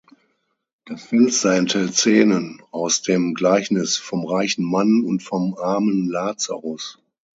Das Fenster enthält Szenen aus dem Gleichnis vom reichen Mann und vom armen Lazarus.